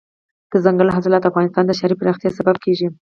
دځنګل حاصلات د افغانستان د ښاري پراختیا سبب کېږي.